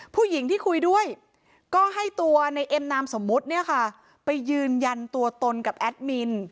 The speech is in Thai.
ผู้หญิงที่คุยด้วยก็ให้ตัวในเอ็มนามสมมุติเนี่ยค่ะไปยืนยันตัวตนกับแอดมิน